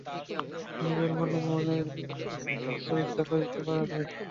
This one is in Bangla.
নিজের মনে মনেই ইহা পরীক্ষা করিতে পারা যায়।